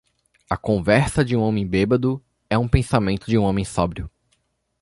A conversa de um homem bêbado é um pensamento de homem sóbrio.